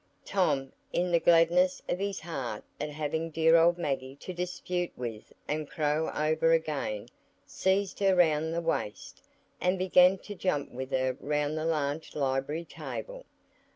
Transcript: Tom, in the gladness of his heart at having dear old Maggie to dispute with and crow over again, seized her round the waist, and began to jump with her round the large library table.